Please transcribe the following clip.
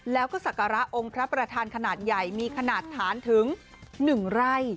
แล้วก็ศักระองค์พระประธานขนาดใหญ่มีขนาดฐานถึง๑ไร่